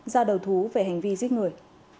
do đầu thú về hành vi giết người